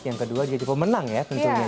yang kedua jadi pemenang ya tentunya